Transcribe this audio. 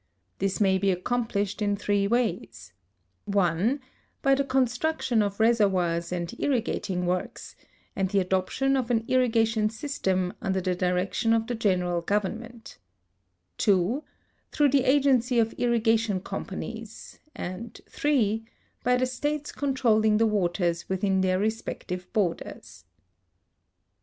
Tiiis may be accomplished in three ways : (1) by the construc tion of reservoirs and irrigating works and the adoption of an irrigation svstem under the direction of the general government; 54 THE UTILIZATION OF THE VACANT PUBLIC LANDS (2) tlirongh the agencj^ of irrigation companies; and (3) by the states controlling the waters within their respective borders.